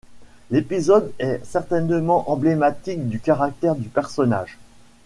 L’épisode est certainement emblématique du caractère du personnage.